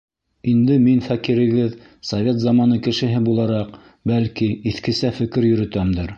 Инде мин фәҡирегеҙ, совет заманы кешеһе булараҡ, бәлки, иҫкесә фекер йөрөтәмдер.